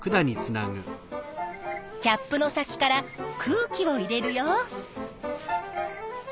キャップの先から空気を入れるよ。